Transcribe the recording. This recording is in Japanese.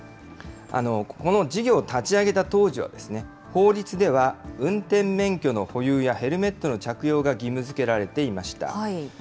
この事業を立ち上げた当時はですね、法律では運転免許の保有やヘルメットの着用が義務づけられていました。